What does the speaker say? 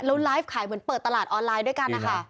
แล้วไลฟ์ขายเหมือนเปิดตลาดออนไลน์ด้วยกันนะคะ